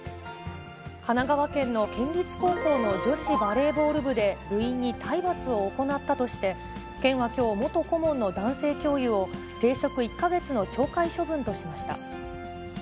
神奈川県の県立高校の女子バレーボール部で、部員に体罰を行ったとして、県はきょう、元顧問の男性教諭を停職１か月の懲戒処分としました。